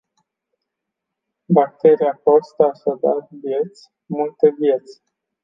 Bacteria costă așadar vieți, multe vieți.